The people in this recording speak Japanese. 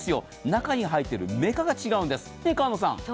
中に入ってるメカが違うんです、ねっ、河野さん。